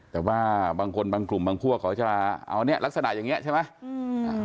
แต่ว่าบางคนบางกลุ่มบางพวกเขาจะเอาเนี่ยลักษณะอย่างนี้ใช่ไหม